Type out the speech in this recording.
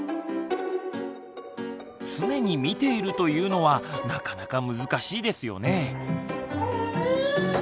「常に見ている」というのはなかなか難しいですよね。